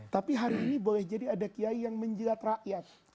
tapi hari ini boleh jadi ada kiai yang menjilat rakyat